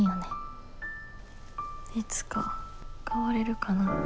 いつか変われるかな。